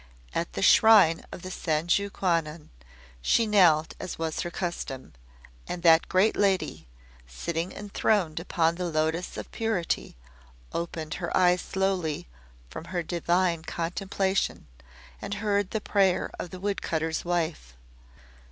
At the shrine of the Senju Kwannon she knelt as was her custom, and that Great Lady, sitting enthroned upon the Lotos of Purity, opened Her eyes slowly from Her divine contemplation and heard the prayer of the wood cutter's wife.